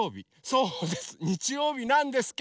そうです。